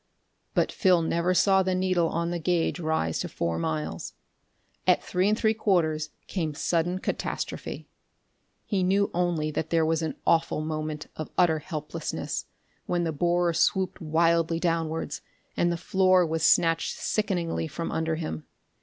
But Phil never saw the needle on the gauge rise to four miles. At three and three quarters came sudden catastrophe. He knew only that there was an awful moment of utter helplessness, when the borer swooped wildly downwards, and the floor was snatched sickeningly from under him.